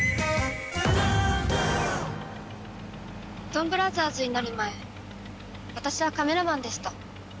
ドンブラザーズになる前私はカメラマンでした。